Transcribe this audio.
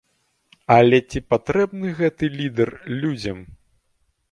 Але ці патрэбны гэты лідэр людзям?